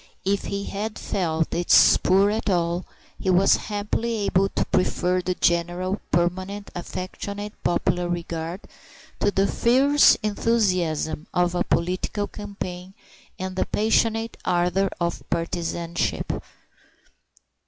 If he had felt its spur at all, he was happily able to prefer the general permanent affectionate popular regard to the fierce enthusiasm of a political campaign and the passionate ardor of partisanship.